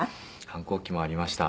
反抗期もありました。